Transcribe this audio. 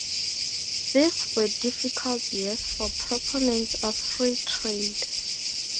These were difficult years for proponents of free trade.